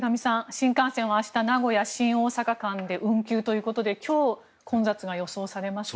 新幹線は明日名古屋新大阪間で運休ということで今日、混雑が予想されますね。